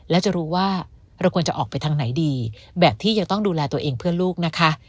และจะรู้ว่าเราควรจะออกไปทางไหนดีแบบที่ยังต้องดูแลตัวเองเพื่อลูกนะคะ